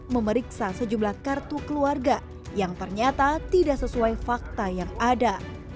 memeriksa sejumlah kartu keluarga yang ternyata tidak sesuai fakta yang ada